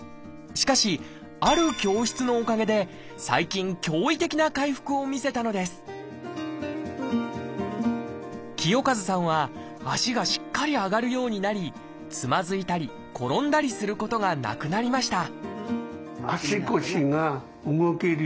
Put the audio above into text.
しかし「ある教室」のおかげで最近驚異的な回復を見せたのです清和さんは足がしっかり上がるようになりつまずいたり転んだりすることがなくなりました